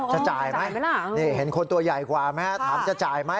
จะจ่ายไหมนะนี่เห็นคนใหญ่ขวามั้ยฮะถามจะจ่ายมั้ย